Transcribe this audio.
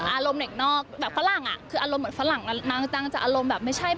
อารมณ์เด็กนอกแบบฝรั่งอะ